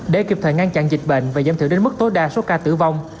để kịp thời ngăn chặn dịch bệnh và giảm thiểu đến mức tối đa số ca tử vong